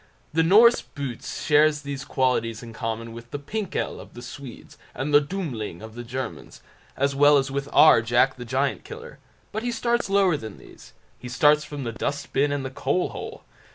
The Norse "Boots" shares these qualities in common with the "Pinkel" of the Swedes, and the Dummling of the Germans, as well as with our "Jack the Giant Killer", but he starts lower than these—he starts from the dust bin and the coal hole.